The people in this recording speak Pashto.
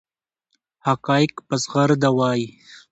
حقایق په زغرده وایي.